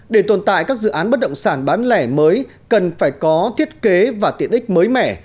để tồn tại các dự án bất động sản bán lẻ mới cần phải có thiết kế và tiện ích mới mẻ